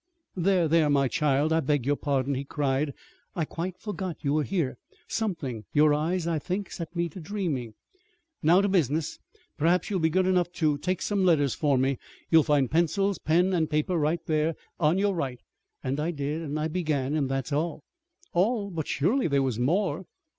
"'There, there, my child, I beg your pardon,' he cried. 'I quite forgot you were here. Something your eyes, I think set me to dreaming. Now to business! Perhaps you'll be good enough to take some letters for me. You'll find pencils, pen, and paper there at your right.' And I did. And I began. And that's all." "All! But surely there was more!"